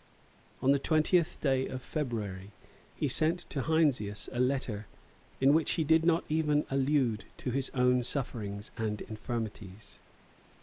On the twentieth of February he sent to Heinsius a letter in which he did not even allude to his own sufferings and infirmities.